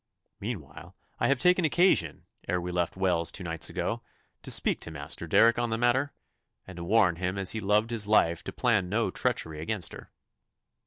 Meanwhile I have taken occasion, ere we left Wells two nights ago, to speak to Master Derrick on the matter, and to warn him as he loved his life to plan no treachery against her.